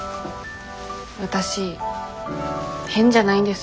わたし変じゃないんです。